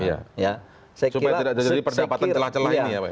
supaya tidak terjadi perdapatan celah celah ini ya pak